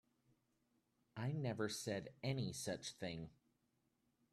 I never said any such thing.